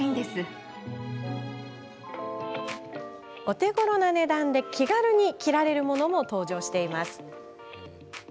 手ごろな値段で気軽に着られるものも登場しています。